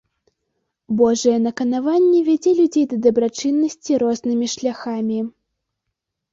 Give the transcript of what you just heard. Божае наканаванне вядзе людзей да дабрачыннасці рознымі шляхамі.